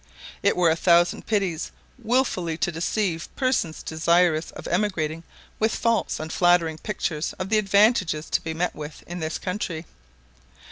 It were a thousand pities wilfully to deceive persons desirous of emigrating with false and flattering pictures of the advantages to be met with in this country.